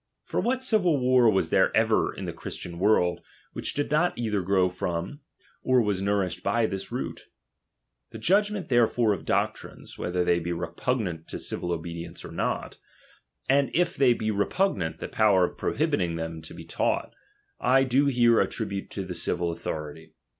For what civil war was there ever in the ChriBtian world, which did not either grow from, or was nourished hj this root? The judgment therefore of doctrines, whether 'hey be repugnant to civil obedience or not, and if they be re pugnant, the power of prohibiting them to be taught, I do here attribute to the civil authority.